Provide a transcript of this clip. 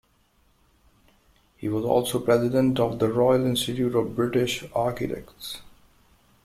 He was also president of the Royal Institute of British Architects.